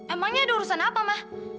emangnya ada urusan apa ma